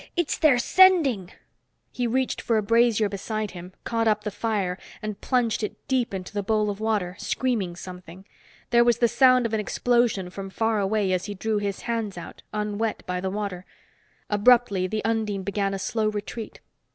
It's their sending!" He reached for a brazier beside him, caught up the fire and plunged it deep into the bowl of water, screaming something. There was the sound of an explosion from far away as he drew his hands out, unwet by the water. Abruptly the undine began a slow retreat.